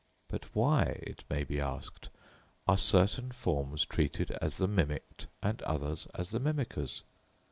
But why, it may be asked, are certain forms treated as the mimicked and others as the mimickers?